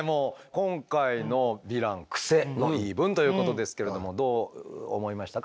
今回のヴィランクセの言い分ということですけれどもどう思いましたか？